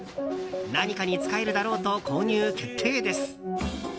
何かに使えるだろうと購入決定です。